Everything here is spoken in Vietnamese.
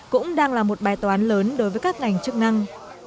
cũng đang là một bài toán lớn đối với các ngành chức năng